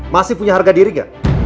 masih punya harga diri gak